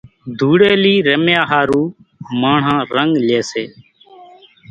ڌوڙيلي رميا ۿارو ماڻۿان رنڳ لئي سي